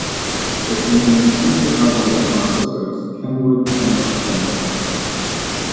It contains two Chicago Landmark districts, Kenwood and North Kenwood.